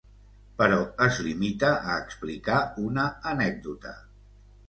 Però es limita a explicar una anècdota.